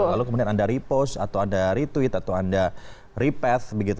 lalu kemudian anda repost atau anda retweet atau anda repad begitu